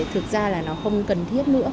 thực ra là nó không cần thiết nữa